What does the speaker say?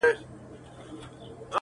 ټول غزل غزل سوې دواړي سترګي دي شاعري دي,